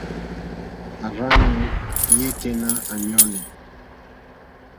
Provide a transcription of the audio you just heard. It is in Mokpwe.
À rzá ɲɔ̄ yêténá à ɲɔ́lì.